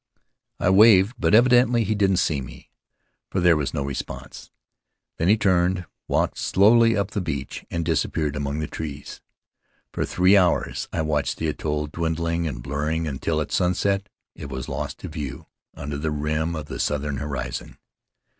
I waved, but evidently he didn't see me, for there was no response. Then he turned, walked slowly up the beach, and disappeared among the trees. For three hours I watched the atoll dwindling and blurring until at sunset it was lost to view under the rim of the southern horizon.